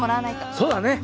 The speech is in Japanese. そうだね！